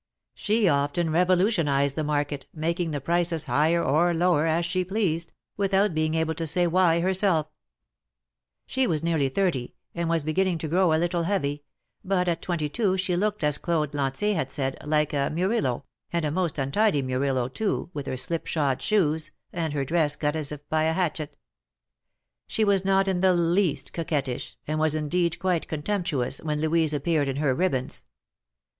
She often revolutionized the market, making the prices higher or lower, as she pleased, without being able to say why herself. THE MAPwKETS OF PARIS. 141 She was nearly thirty, and was beginning to grow a little heavy, but at twenty two she looked as Claude Lantier had said, like a Murillo, and a most untidy Murillo, too, with her slip shod shoes, and her dress cut as if by a hatchet. She was not in the least coquettish, and was indeed quite contemptuous, when Louise ap peared in her ribbons.